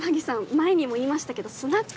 前にも言いましたけどスナックは。